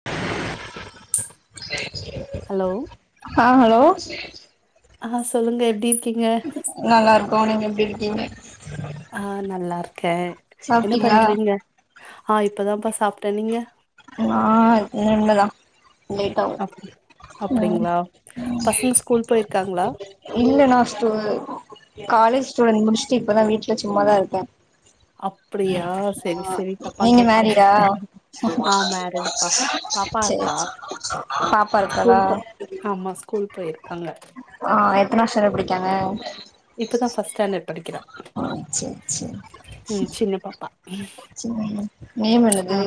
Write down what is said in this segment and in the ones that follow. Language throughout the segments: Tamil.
[inaudible] ஹலோ ஆ ஹலோ ஆ சொல்லுங்க எப்டி இருக்கீங்க நல்லா இருக்கோம் நீங்க எப்டி இருக்கீங்க ஆ நல்லா இருக்கேன் என்ன சாப்ட்டீங்களா பண்றீங்க ஆ இப்பதான்ப்பா சாப்பிட்டேன் நீங்க நான் இனிமேல் தான் லேட்டா அப் ம் அப்டிங்களா ம் பசங்க ஸ்கூல் போயிருக்காங்களா இல்ல நான் ஸ்டூடெண்ட் காலேஜ் ஸ்டூடெண்ட் முடிச்சுட்டு இப்பதான் வீட்ல சும்மாதான் இருக்கேன் அப்டியா செரி செரி தப்பா நீங்க கேட்டே மேரிடா ஆமா ரெடிப்பா பாப்பா சேரி இருக்கா சேரி பாப்பா இருக்காளா ஸ்கூல் ப ஆமா ஸ்கூல் போய்ருக்காங்க ஆ எத்தனாவது ஸ்டாண்டர்ட் படிக்கிறாங்க இப்பதான் பஸ்ட் ஸ்டாண்டர்ட் படிக்கிற சேரி சின்னப்பா ம் நேம் ஆ எழுது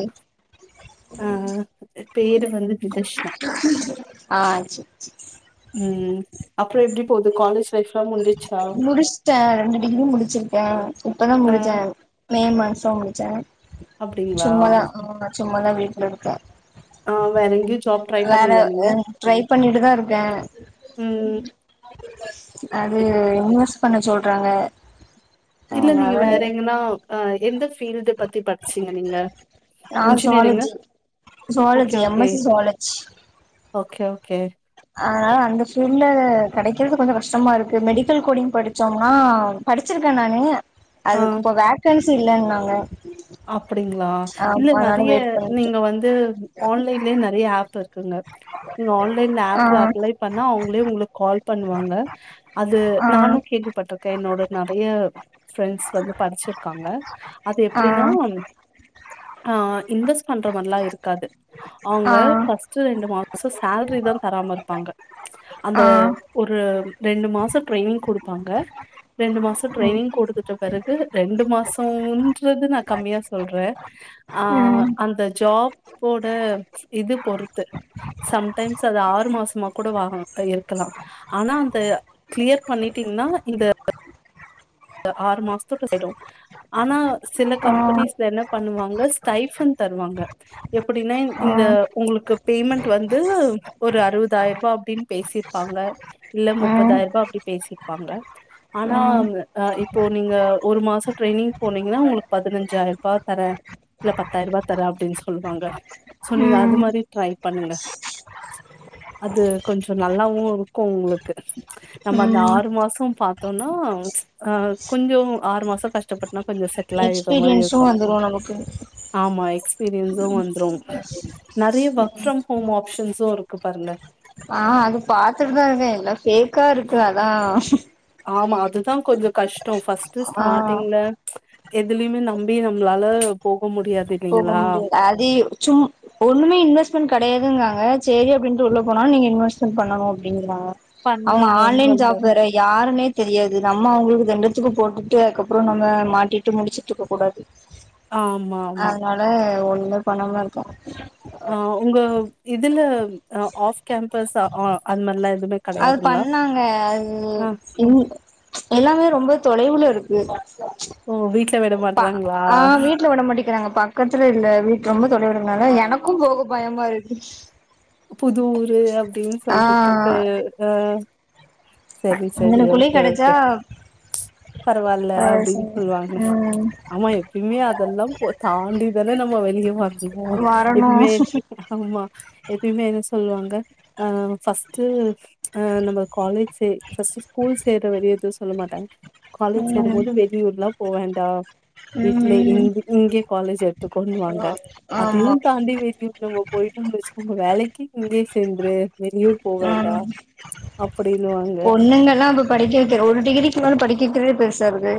ஆ பேரு வந்து நிதர்சனா ஆ சேர் சேரி ம் அப்பறம் எப்டி போது காலேஜ் லைஃப் லாங் [unintelligible] முடிச்சுட்டேன் ரெண்டு டிகிரி முடிச்சிருக்கேன் இப்பதான் ஆ முடிச்சேன் மே மாசோ முடிச்சே அப்டிங்களா சும்மாதான் ஆ சும்மதான் வீட்ல இருக்க ஆ வேற எங்கேயு ஜாப் ட்ரை வேற பண்ணலையா நீங்க ட்ரை பண்ணிட்டுதான் இருக்கேன் ம் ம் அது இப் இன்வெஸ்ட் பண்ண சொல்றாங்க இல்ல நீங்க அதனால வேற எங்கன்னா அ எந்த ஃபீல்டு பத்தி படிச்சீங்க நீங்க நான் இன்ஜினியரிங்கா? Zoology okay, zoology M okay. S C zoology okay okay அதனால அந்த ஃபீல்ட்ல கெடைக்கிறது கொஞ்சோ கஷ்டமா இருக்கு மெடிக்கல் கோடிங் படிச்சோம்னா படிச்சிருக்கே நானு ஆ அதுக்கு இப்ப வேக்கன்சி இல்லன்னாங்க அப்டிங்களா இல்ல ஆமா அதனால நிறைய வெயிட் நீங்க பண்ணிட்ருக்கே வந்து ஆன்லைன்லே ந நறைய ஆப் இருக்குங்க ஆன்லைன் ஆ ஆப்ல அப்ளை பண்ண அவங்களே உங்களுக்கு கால் பண்ணுவாங்க அது ஆ நானு கேள்விப்பட்டிருக்கே என்னோட நெறைய பிரண்ட்ஸ் வந்து படிச்சிருக்காங்க அது ஆ ஹம் அ இன்வெஸ்ட் பண்ற மாரல்லா இருக்காது அவங்க ஆ பஸ் ஸ்டு ரெண்டு மாசோ சேலரி தா தராம இருப்பாங்க அந்த ஆ ஒரு ரெண்டு மாசோ ட்ரைனிங் குடுப்பாங்க ரெண்டு மாசோ ம் ட்ரைனிங் குடுத்துட்ட பெறகு ரெண்டு மாசோ றது நா கம்மியா சொல்றே அ ம் அந்த ஜாப் ஓட இது பொறுத்து சம்டைம்ஸ் அது ஆறு மாசமா கூட வாங்கணு ப இருக்கலாம் ஆனா அந்த கிளியர் பண்ணிட்டீங்கன்னா இந்த ஆறு மாசத்துக் சைடோ ஆனா சில ஆ கம்பெனிஸ்ல என்ன பண்ணுவாங்க ஸ்டைபன் தருவாங்க எப்படின்னா ஆ இந்த உங்களுக்கு பேய்மெண்டட் வந்து ஒரு அறுபதாயரூபா அப்டின்னு பேசிரு ப்பாங்க இல்ல ம் முப்பதாயரூபா அப்டி பேசிருப்பாங்க ஆனா ம் ஆ இப்போ நீங்க ஒரு மாசம் ட்ரரையனிங் போனீங்கன்னா உங்களுக்கு பதினஞ்சாயரூபா தர இல்ல பத்தாயரூபா தரேன் அப்படின்னு சொல்லுவாங்க சோ நீங்க அது மாரி ட்ரை பண்ணுங்க அது கொஞ்சம் நல்லாவும் இரு கு உங்களுக்கு நம்ம ம் அந்த ம் ஆறு மாசம் பார்த்தோம்னா அஹ் கொஞ்சோ ஆறு மாசோ கஷ்டப்பட்டுனா கொஞ்சோ செட்டில் ஆயிற மாரி இருக்கு எக்ஸ்பீரியன்ஸும் வந்துரு நமக்கு ஆமா எக்ஸ்பீரியன்ஸும் வந்துரும் நெறைய ஒர்க் ஃப்ரம் ஹோம் ஆப்ஷன்ஸும் இருக்கு பாருங்க ஆ அது பாத்துட்டுதா இருக்க எல்லா ஃபேக்கா இருக்கு அதா ஆமா அதுதான் கொஞ்ச கஷ்டோ ஃபர்ஸ்ட்ட் ஆ ஸ்டார்ட்டிங்ல எதுலயுமே நம்பி நம்மளால போக முடியா போக முடிய அது சும் ஒண்ணுமே இன்வெஸ்ட்மெண்ட் கிடையாதுங்காக செரி அப்படின்னுட்டு உள்ள போனா நீங்க இன்வெஸ்ட்மெண்ட் பண்ணணும் அப்படிங்கிறாங்க அவங்க பண்ணணுன் ஆன்லைன் ஜாப் சொல்றாங்க வேற யாருன்னே தெரியாது நம்ம அவங்களுக்கு திண்டத்துக்கு போட்டுட்டு அதுக்கப்றம் நம்ம மாட்டிட்டு முழிச்சுட்டு இருக்க கூடாது ஆமா ஆமா அதனால ஒண்ணுமே பண்ணாம இருக்க ஆ உங்க இதுல ஆஃப் கேம்பஸ் ஆ அது மாரிலா எதுவுமே அது பண்ணாங்க அது எல்லாமே ரொம்ப தொலைவுல இருக்கு ஓ வீட்ல விட ப மாட்றாங்ளா ஆ வீட்ல விடமாடிக்கிறாங்க பா பக்கத்துல இல்ல வீட்டு ரொம்ப தொலைவிலருக்கனால எனக்கும் போக பயமாருக்கு புது ஊரு அப்டின்னு சொல்றதுக்கு அ செரி செரி இதனக்குள்ளயே ஓகே கெடச்சா ஓகே பரவாயில்ல ஆ அப்டின்னு சரி சொல்லுவாங்க ம் ஆமா எப்பயுமே அதெல்லா போ தாண்டிதானே நம்ம வெளிய வரணும் வரணு எப்பவுமே ஆமா எப்பயுமே என்ன சொல்லுவாங்க அஹ் ஃபர்ஸ்ட்டு ஆ நம்ம காலேஜ் சே ஃப்ர்ஸ்ட் ஸ்கூல் சேர வர எதுவும் சொல்ல மாட்டாங்க காலேஜ் ம் சேரும்போது வெளியூர்லா போ வேண்டா வீட்ல ம் இங்க இங்கயே காலேஜ் எடுத்துக்கோண்னுவாங்க ஆமா அதையும் தாண்டி [unintelligible] போயிட்டோனு வச்சிக்கோங்க வேலைக்கு இங்கே சேந்துரு வெளியூர் போ வேண்டா அப்டினு பொண்ணுங்க ல்லா இப்ப படிக்க வைக்கிற ஒரு டிகிரிக்கு மேல படிக்க வைக்கிறதே பெருசாருக்கு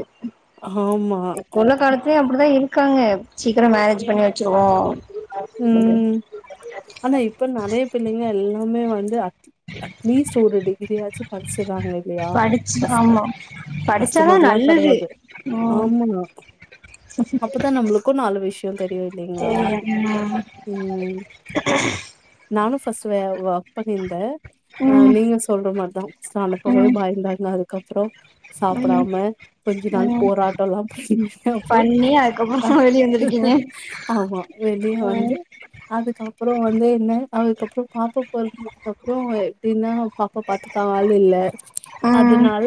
ஆமா இப்ப உள்ள காலத்துலயு அப்டிதா இருக்காங்க சீக்கிரோ மேரேஜ் பண்ணி வச்சிருவோ உம் ஆனா இப்ப நெறைய பிள்ளைங்க எல்லாமே வந்து அட்லீஸ்ட் ஒரு டிகிரியாச்சு படிச்சறாங்க இல்லையா படிச்சு பஸ் ஆமா படிச்சாதா கஸ்ட்மர்ல்லா நல்லது கிடையாது ம் ஆமா அப்பதா நம்மளுக்கு நாலு விஷயோ தெரியு இல்லைங்களா தெரில [unintelligible] நானும் ஃபஸ்ட் வே வா க் பண்ணிந்த ஆ ம் நீங்க சொல்ற மாரிதா அனுப்வே ம் பாய்ந்தாங்க அதுக்கப்றோ ம் சாப்டாம கொஞ்ச நாள் போராட்டம்ல்லா பன்னி அப்றம் பண்ணி அதுக்கப்புறமா வெளிய வந்திருக்கீங்க ஆமா வெளிய வந்து அதுக்கப்பறம் வந்து என்ன அதுக்கப்பறம் பாப்ப போறந்ததுக்கு அப்றம் எப்டின்னா பாப்பா பாத்துக்க ஆள் இல்ல ம் அதனால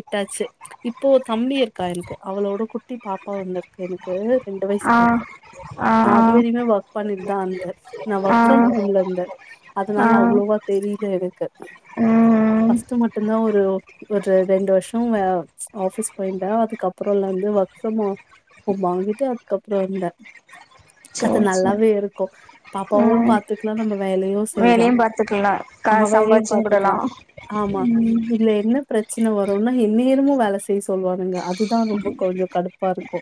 உட்டாச்சு இப்போ தம்பி இருக்கா எனக்கு அவளோட குட்டி பாப்பா ஒண்னு இருக்கு க்கு எனக்கு ரெண்டு வயசு ஆ பாப்பா ஆ நா அது வரையுமே ஒர்க் பண்ணிட்தா இந்த நா ஆ ஒர்க் ஃப்ரம் ஹோம்ல இருந்த அதனால அவ்ளவா தெரில எனக்கு அ சு மட்டுதா ஒரு ஒ ஒரு ரெண்டு வருஷோ அ ஆஃபிஸ் போய்ந்த அதுக்கப்றலிந்து ஒர்க் ஃப்ரமா போ வாங்கிட்டு அதுக்கப்றோ இந்த அது சேரி சேரி நல்லாவே இருக்கு பாப்பாவும் ம் பாத்துக்லா நம்ம வேலையூ செய்லா வேலையு பாத்துக்கலா கா ஆமா அவரையு சம்பாதிச்சு கூடலா பாத்துக்லா ஆமா இதுல என்ன ப்ரச்சன வருன்னா எந்நேரமு வேல செய்ய சொல்வானுங்க அது அதுதான் ரொம்ப கொஞ்சொ கடுப்பா இருக்கு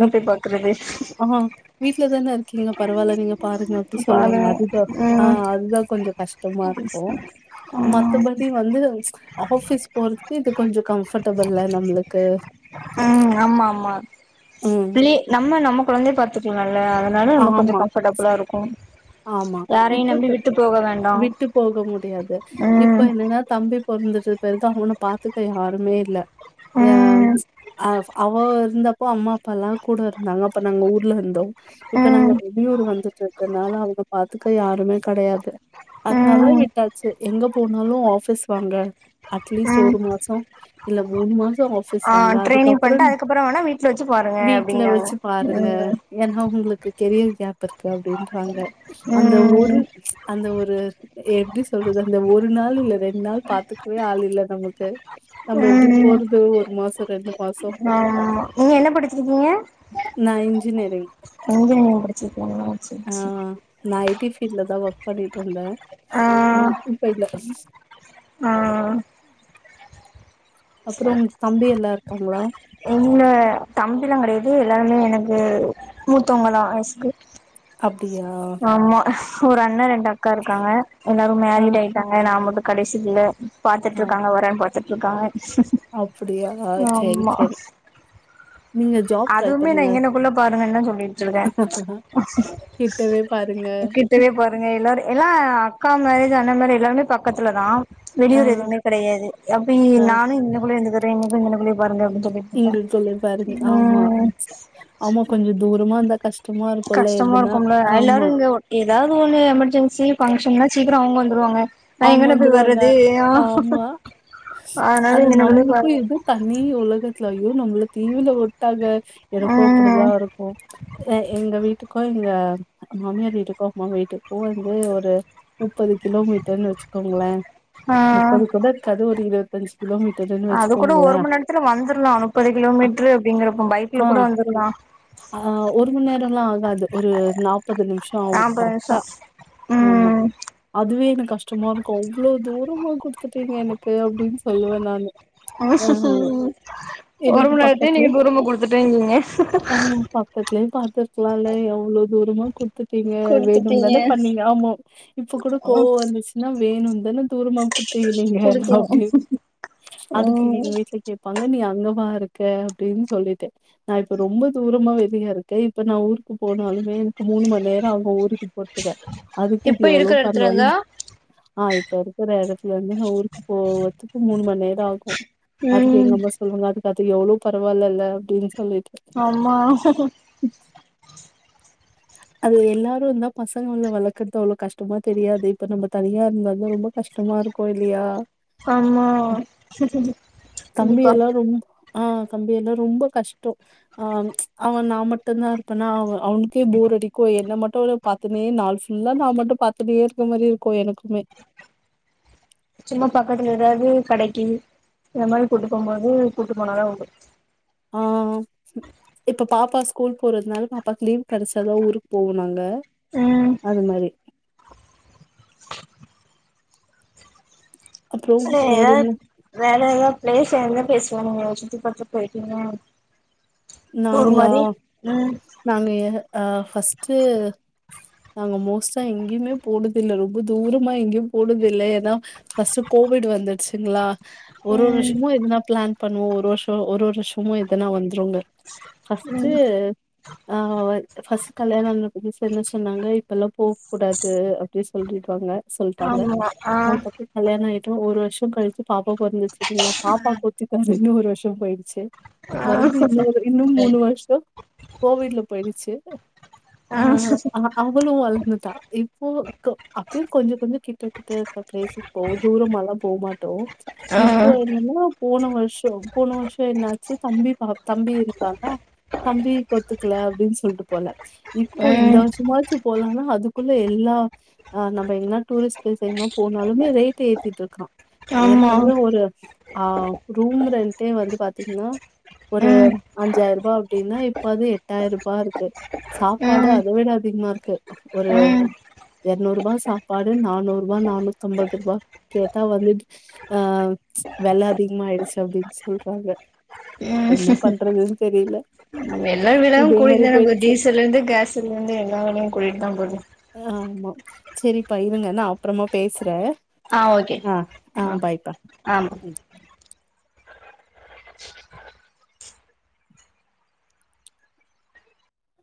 நி க்ரெபெஸ் ஆமாங் வீட்லதான இருக்கீங்க பரவால்ல நீங்க பாருங்க அப்டி சொல்வாங்க பாரு அதுதா ஆ ம் அதுதா கொஞ்சொ கஷ்டமா ம் இருக்கு ம் மத்தபடி வந்து ஆஃபீஸ் போறதுக்கு இது கொஞ்சொ கம்ஃபட்டபில்ல நம்ளுக்கு ம் ஆமாமா ம் ப்ள்ளி நம்ம நம்ம கொழந்தைய பாத்துக்கலால்ல அ அதனால நமக்கு கொஞ்சொ ஆமா கம்ஃபட்டபிளா இருக்கு ஆமா யாரையு இப்ப நம்பி விட்டு போக வேண்டா விட்டு போக முடியாது இப்ப ம் ஏனா தம்பி பொறந்தபெறுதா அவன பாத்துக்க யாருமே இல்ல எ ம் அவ் அவ இருந்தப்போ அம்மா ல்லா கூட இருந்தாங்க அப்ப நாங்க ஊர்ல இருந்தோ இப்ப ம் நாங்க வெளியூர் வந்துட்டதனால பாத்துக்க யாருமே கெடையாது அத்னால ம் விட்டாச்சு எங்க போனாலு ஆஃபிஸ் வாங்க அட்லீஸ்ட் ம் ஒரு மாசொ இல்ல மூணு மாசொ ஆஃபிஸ் வாங்க அதுக்கப்றன அப்றொ ஆனா வீ வீட்ல வெச்சு பாருங்க ஏனா உங்ளுக்கு கெரியர் கேப் இருக்கு அப்டின்றாங்க அந்த ம் ஒரு அந்த ஒரு எ எப்டி சொல்றது அந்த ஒரு நாள் இல்ல ரெண் நாள் பாத்துக்கவே ஆள் இல்ல நமக்கு நம்ம எப்டி போறது ஒரு மாசொ ரெண்டு மாசொ எ நீங்க என்ன படிச்சிருகீங்க? நா இன்ஜினியரிங் இன்ஜினியரிங் படிச்சிருக்கீங்ளா சேரி ஆ சேரி நா ஐ டி ஃபீட்லதா ஒர்க் பண்ணிட்ருந்தன் ஆ நா இப்ப இல்ல ஆ அப்றோ தம்பியெல்லா இருக்காங்களா எங்க தம்பியெல்லா கெடையாது எல்லாருமே எனக்கு மூத்தவங்கதா ஆக்சுலி அப்டியா ஆமா ஒரு அண்ண ரெண்டு அக்கா இருக்காங்க எல்லாரும் ஆ மேரிட் ஆய்ட்டாங்க நா மட்டு கடைசீ பிள்ள ஆ பாத்துட்ருக்காங்க வரண் பாத்துட்ருக்காங்க அப்டியா சேரி ஆமா சேரி நீங்க ஜாப் ட்ரை அதுவுமே நா பண்ணுங்க இங்கனக்குள்ள பாருங்கன்னு தா சொல்லிட்டு இருக்கே கிட்டவே பாருங்க இவுங்க எல்லாரு எல்லா அக்கா மேரேஜ் அண்ணா மேரேஜ் எல்லாருமே பக்கத்துலதா ஆ வெளியூர் எதுமே கெடையாது அப்டி ஆ நானு இங்கனகுள்ளயே இந்துகுறே இங்கனகுள்ளயே பாருங்க அப்டினு இங்க குள்ளே பாருங்க ஆமா ஆமா கொஞ்சோ தூரமா இருந்தா கஷ் கஷ்டமா இருக்குமல்ல எல்லாரு இங்க ஏதாது ஒன்னு எமர்ஜன்சி ஃபங்க்ஷன்னா சீக்கிரோ அவுங்க வந்துருவாங்க நா அவங்க எங்கன போய் வந்துருவாங்க வர்றது ஆமா அனால அது இங்கனகுள்ளயே நம்மளுக்கும் பாருங்க இது தனி உலகத்ல அய்யோ நம்மள தீவுல வுட்டாங்க எனக்கு ம் அப்டிதா இருக்கு எ எங்க வீட்டு இப்போ எங்க மாமியார் வீட்டுக்கு அம்மா வீட்டுக்கு வந்து ஒரு நுப்பது கிலோமீட்டர் துன்னு வச்சுக்கோங்கள ஆ முப்பது கூட இருக்காது ஒரு இரவத்தஞ்சு கிலோமீட்டர்ன்னு அது கூட ஒரு வச்சுக்கோங்களே மண் நேரத்துல வந்துர்லா முப்பது கிலோமீட்ரு அப்டிங்கிறப்ப பைக்ல கூட வந்துடலா அ ஒரு மண் நேரம்லா ஆகாது ஒரு நாப்பது நிம்ஷம் ஆகும் நாப்பது நிமிஷோ கரெக்டா ஆமா ம் அதுவே எனக் கஷ்ட சும்மா எனக்கு அவ்ளோ தூரமா குடுத்துட்டீங்க எனக்கு அப்டின்னு சொல்லுவ நானு ஆ ஒரு எனக்கு மண் நேரத்தே நீங்க பக்கத்துலயே தூரமா குடுத்துட்டேங்கிங்க பக்கத்துலே பாத்துருக்கலால்ல எவ்ளோ தூரமா குடுத்து ருக்கிங்க குடுத்துட்டீங்க வேணும்தான பண்ணீங்க ஆமா இப்ப கூட கோவம் வந்துச்சுன்னா வேணும் தான தூரமா குடுத்தீங்கநீங்க குடுத்தீங்க அப்டின்னு அதுக்கு ம் எங்க வீட்ல கேப் ப்பங்க நீ அங்கவா இருக்க அப்டின்னு சொல்லிட்டே நா இப்ப ரொம்ப தூரமா வெளிய இருக்கே இப்ப நான் ஊருக்கு போனாலுமே எனக்கு மூணு மண் நேரம் ஆகும் ஊருக்கு க்கு பொறுத்துக்க அதுக்கு இப்ப இது எவ்ளோ இருக்கிற எடத்துல பரவால்ல இருந்தா அ இப்ப இருக்குற இடத்துலருந்து ந ஊருக்கு போவர்த்துக்கு மூண்மண்நேரம் ஆகும் அதுக்கு ம் எங்க அம்மா சொல்லுவாங்க அதுக்கு அது எவ்ளோ பரவால்ல ல அப்டின்னு சொல்லிட்டு ஆம்மா அது எல்லாரும் இருந்தா பசங்கள வளக்கற்து அவ்ளோ கஷ்டமா தெரியாது இப்ப நம்ம தனியா இருந்தோம்னா ரொம்ப கஷ்டமா இருக்கும் இல்லியா ஆமா தம்பி கண்டிப்பா எல்லா ரொம் ஆ தம்பியெலா ரொம்ப கஷ்டம் ஆ அவன் நா மட்டும்தா இருப்பானா அவ அவனு கே போர் அடிக்கும் என்ன மட்டும் பத்துனே நாள் ஃபுல்லா நா மட்டும் பத்துனே இருக்க மாரி இருக்கு எனக்குமே சும்மா பக்கத்துல ஏதாவது கடைக்கு இந்த மாரி கூப்ட்டு போம் போது கூட்டுபோனாத உண்டு ஆ இப்ப பாப்பா ஸ்கூல் போறதுனால பாப்பாக்கு லீவ் கெடச்சாதா ஊருக்கு போவோ நாங்க ம் அது மாரி அப்றோ செரி வேற ஏதாவது என்ன வேற ஏதாவது பிளேஸ் எந்த பிளேஸ் போனிங்க சுத்தி பாக்க போய்ட்டீங்க நாங்களா ம் நாங்க அ ஃபஸ்ட்டு நாங்க மோஸ்டா எங்கயுமே போனதுல்ல ரொம்ப தூரமா எங்கயு போனதுல்ல ஏன்னா ஃபஸ்ட்டு கோவிட் வந்துடுச்சிங்களா ஒரு ஒரு ம் வர்ஷமும் எதனா பிளான் பண்ணுவோம் ஒரு வர்ஷம் ஒரு ஒரு வர்ஷமும் எதனா வந்துருங்க ஃபஸ்ட்டு அ ஃபஸ்ட்டு கல்யாண புதுசுல என்ன சொன்னாங்க இப்பல்லா போக்கூடாது அப்டியே சொல்லிறிகாங்க சொல்லிட்டாங்க ஆமா ஆ அதுகப்றோ கல்யாணம் ஆய்ட்டும் ஒரு வர்ஷம் கழிச்சு பாப்பா பொறந்துச்சுங்களா பாப்பாக்கு ஒத்துக்காதுனு ஒரு வர்ஷம் போயிருச்சு ஆ மறுபடி இன்னொரு இன்னும் மூணு வர்ஷம் கோவிட்ல போய்டுச்சு ஆ அவளும் வளந்துட்டா இப்போ அப்பயும் கொஞ்சோ கொஞ்சோ கிட்ட கிட்ட இருக்பிளேஸ் போவ தூரம் மலா போ மாட் டோ ஆ இப்போ என்னன்னா போன வர்ஷோ போன வர்ஷோ என்னாச்சு தம்பி பா தம்பி இருக் இதானா தம்பிக்கு ஒத்துக்கல அப்டின் சொல்ட்டு போல இப்போ இந்த ம் வர்ஷமாச்சு போலான்னா அதுக்குள்ள எல்லா நம்ம என்ன டூரிஸ்ட் பிளேஸ் எங்கனா போனாலுமே ரேட் ஏத்திட்டு க்கா ஆமா ஏற்கனவே ஒரு ஆ ரூம் ரென்ட்டே வந்து பாத்தீங்கன்னா ஒரு நம்ம அஞ்சாய்ர்ருபா அப்டின்னா இப்ப அது எட்டாய்ர்ருபா இருக்கு சாப்பாடு அத விட அதிகமா இருக்கு ஒரு இர்நூறுரூபா சாப்பாடு நானூறுரூபா நானூத்தம்பதுரூபா கேட்டா வந்து ஆ வெல அதிகமயிடுச்சு அப்டின்னு சொல்றாங்க என்ன பண்ற ஆமா எல்லா விலையு இதே கூட்டிட் மாரி தான [inaudible] போயிடுச்சு டீசலேருந்து கேஸ் திரும்பி வந்து எல்லா வேலயு கூட்டுட் தா போது ஆமா சேரிப்பா இருங்க நா அப்றோமா பேசுறே ஆ ஓகே ஆ ஆ பாய்பா ஆமா ம்